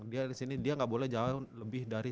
dia disini dia gak boleh jalan lebih dari